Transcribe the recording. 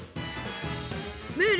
ムール。